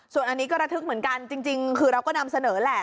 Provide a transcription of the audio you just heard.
ส่วนอันนี้ก็ระทึกเหมือนกันจริงคือเราก็นำเสนอแหละ